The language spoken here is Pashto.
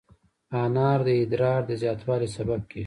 انار د ادرار د زیاتوالي سبب کېږي.